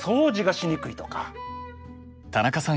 田中さん